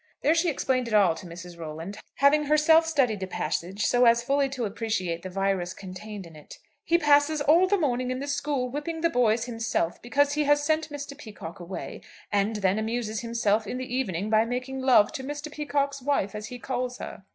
There she explained it all to Mrs. Rolland, having herself studied the passage so as fully to appreciate the virus contained in it. "He passes all the morning in the school whipping the boys himself because he has sent Mr. Peacocke away, and then amuses himself in the evening by making love to Mr. Peacocke's wife, as he calls her."